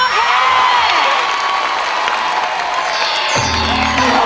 ได้ครับ